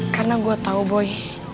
karena gue tau boy